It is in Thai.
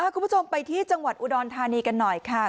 คุณผู้ชมไปที่จังหวัดอุดรธานีกันหน่อยค่ะ